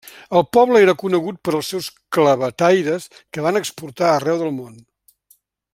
El poble era conegut per als seus clavetaires que van exportar arreu del món.